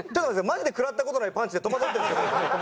マジで食らった事ないパンチで戸惑ってるんですけど。